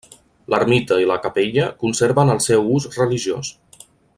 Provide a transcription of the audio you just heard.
L'ermita i la capella conserven el seu ús religiós.